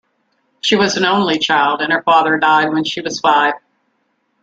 She was an only child, and her father died when she was five.